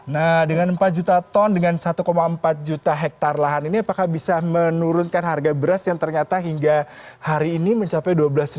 nah dengan empat juta ton dengan satu empat juta hektare lahan ini apakah bisa menurunkan harga beras yang ternyata hingga hari ini mencapai dua belas lima ratus